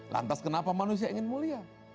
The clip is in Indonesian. lantas kenapa manusia ingin mulia